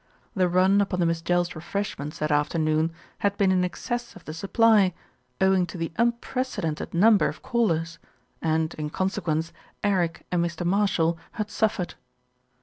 The run upon the Miss Jells' refreshments, that afternoon, had been in excess of the supply, owing to the unprecedented number of callers and, in consequence, Eric and Mr. Marshall had suf fered.